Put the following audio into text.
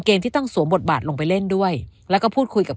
ที่ต้องสวมบทบาทลงไปเล่นด้วยแล้วก็พูดคุยกับ